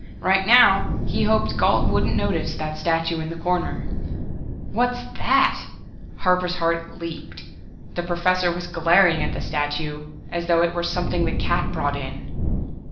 Right now, he hoped Gault wouldn't notice that statue in the corner "What's that!" Harper's heart leaped. The Professor was glaring at the statue, as though it were something the cat brought in.